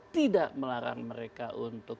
tidak melarang mereka untuk